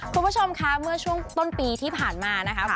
คุณผู้ชมคะเมื่อช่วงต้นปีที่ผ่านมานะคะ